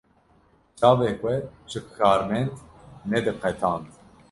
Çavê xwe ji karmend nediqetand.